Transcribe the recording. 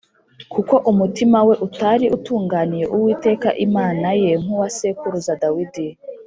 kuko umutima we utari utunganiye Uwiteka Imana ye nk’uwa sekuruza Dawidi